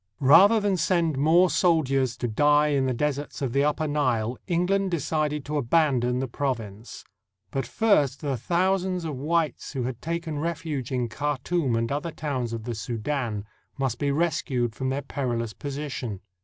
Rather than send more soldiers to die in the deserts of the Upper Nile, England decided to abandon the province. But first the thousands of whites who had taken refuge in Khartoum and other towns of the Soudan must be rescued from their peril ous position.